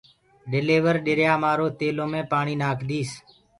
ڊليور ڏريا مآرو تيلو مي پآڻيٚ ناکِ ديٚس